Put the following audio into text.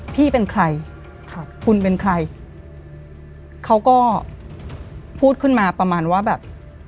พี่เป็นใครครับคุณเป็นใครเขาก็พูดขึ้นมาประมาณว่าแบบ